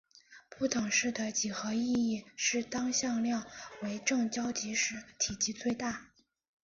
这不等式的几何意义是当向量为正交集时体积最大。